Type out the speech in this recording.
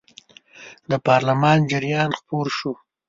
د پارلمان جریان خپور شو.